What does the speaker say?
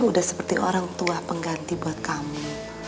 udah seperti orang tua pengganti buat kami